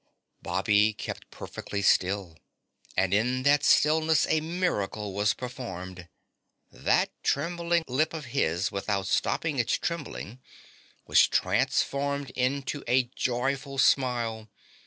Bobby kept perfectly still and in that stillness a miracle was performed; that trembling lip of his, without stopping its trembling, was transformed into a joyful smile.